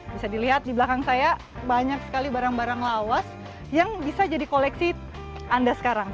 bisa dilihat di belakang saya banyak sekali barang barang lawas yang bisa jadi koleksi anda sekarang